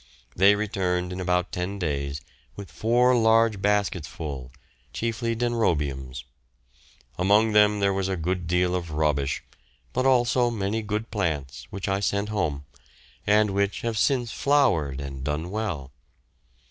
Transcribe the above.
They returned in about ten days with four large baskets full, chiefly denrobiums. Among them there was a good deal of rubbish, but also many good plants, which I sent home, and which have since flowered and done well.